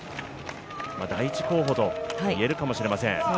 第１候補といえるかもしれません。